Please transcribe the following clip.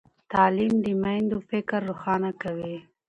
تعلیم د میندو فکر روښانه کوي۔